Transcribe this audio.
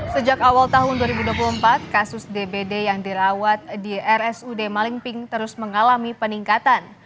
sejak awal tahun dua ribu dua puluh empat kasus dbd yang dirawat di rsud malingping terus mengalami peningkatan